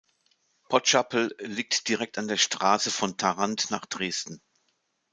Potschappel liegt direkt an der Straße von Tharandt nach Dresden.